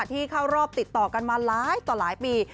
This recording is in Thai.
ที่เข้ารอบติดต่อกันมาหลายต่อหลายปี